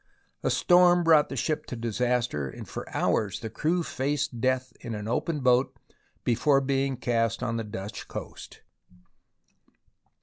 A storm brought the ship to disaster, and for hours the crew faced death in an open boat before being cast on the Dutch coast.